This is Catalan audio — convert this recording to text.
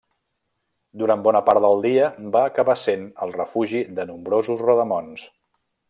Durant bona part del dia va acabar sent el refugi de nombrosos rodamons.